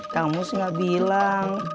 kamu seenggak bilang